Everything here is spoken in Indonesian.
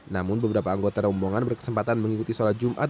namun beberapa anggota rombongan berkesempatan mengikuti sholat jumat